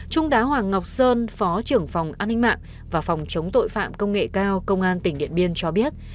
trung tá hoàng ngọc sơn phó trưởng phòng an ninh mạng và phòng chống tội phạm công nghệ cao công an tỉnh điện biên cho biết